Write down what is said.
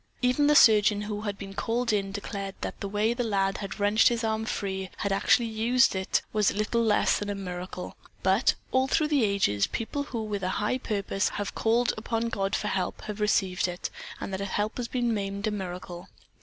Even the surgeon who had been called in declared that the way the lad had wrenched his arm free and had actually used it was little less than a miracle; but, all through the ages, people who with a high purpose have called upon God for help, have received it, and that help has been named a miracle.